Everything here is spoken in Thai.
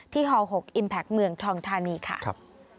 ฮ๖อิมแพคเมืองทองธานีค่ะ